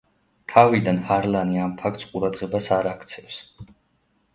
თავიდან ჰარლანი ამ ფაქტს ყურადღებას არ აქცევს.